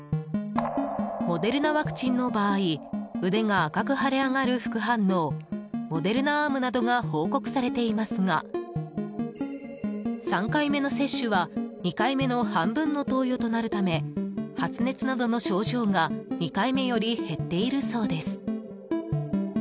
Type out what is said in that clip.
モデルナワクチンの場合腕が赤く腫れ上がる副反応モデルナアームなどが報告されていますが３回目の接種は２回目の半分の投与となるため発熱などの症状が２回目より減っているそうです。